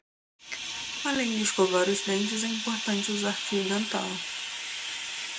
Além de escovar os dentes, é importante usar fio dental.